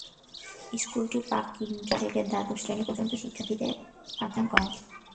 স্কুলটি প্রাক কিন্ডারগার্টেন থেকে দ্বাদশ শ্রেণী পর্যন্ত শিক্ষার্থীদের পাঠদান করায়।